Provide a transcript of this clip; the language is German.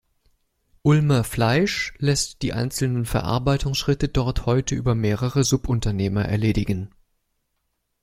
Ulmer Fleisch lässt die einzelnen Verarbeitungsschritte dort heute über mehrere Subunternehmer erledigen.